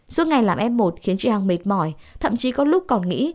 suốt ngày làm ép một khiến chị hằng mệt mỏi thậm chí có lúc còn nghĩ